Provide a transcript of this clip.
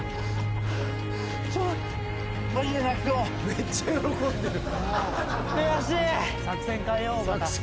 めっちゃ喜んでる。